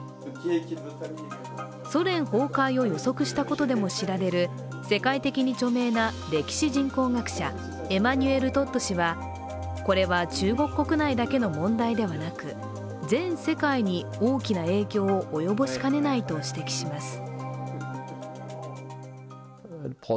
ソ連崩壊を予測したことでも知られる世界的に著名な歴史人口学者エマニュエル・トッド氏はこれは、中国国内だけでの問題ではなく全世界に大きな影響を及ぼしかねないと指摘します。